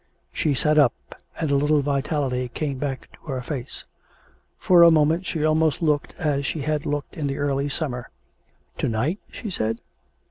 " She sat up, and a little vitality came back to her face; for a moment she almost looked as she had looked in the early summer. "To night?" she said.